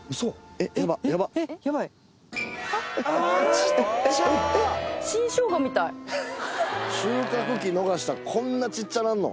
えっえっえっヤバ収穫期逃したらこんな小っちゃなんの？